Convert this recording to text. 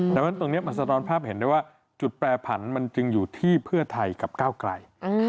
ดังนั้นตรงนี้มันสะท้อนภาพเห็นได้ว่าจุดแปรผันมันจึงอยู่ที่เพื่อไทยกับก้าวไกล